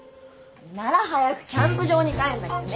なら早くキャンプ場に帰んなきゃね。